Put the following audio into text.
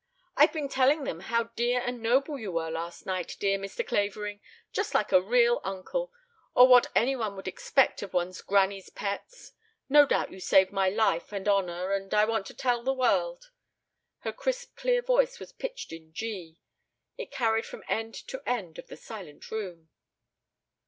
"I've been telling them how dear and noble you were last night, dear Mr. Clavering, just like a real uncle, or what any one would expect of one of granny's pets. No doubt you saved my life and honor, and I want to tell the world." Her crisp clear voice was pitched in G. It carried from end to end of the silent room.